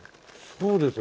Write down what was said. そうですね